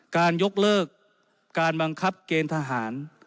การยกเลิกการบังคับเกณฑหาร